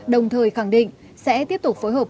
đồng thời khẳng định sẽ tiếp tục phối hợp